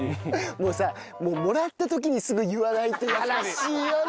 もうさもうもらった時にすぐ言わないってやらしいよね！